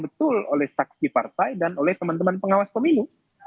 betul oleh saksi partai dan oleh teman teman pengawas pemilu